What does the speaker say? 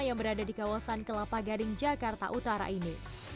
yang berada di kawasan kelapa gading jakarta utara ini